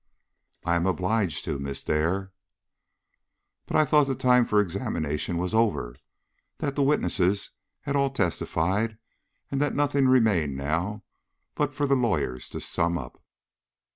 "I am obliged to, Miss Dare." "But I thought the time for examination was over; that the witnesses had all testified, and that nothing remained now but for the lawyers to sum up."